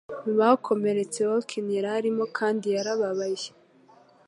Mu bakomeretse welkin yararimo kandi yarababaye